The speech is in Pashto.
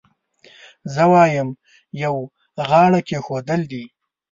زه وایم یو غاړه کېښودل دي.